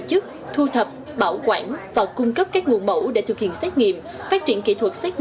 chức thu thập bảo quản và cung cấp các nguồn mẫu để thực hiện xét nghiệm phát triển kỹ thuật xét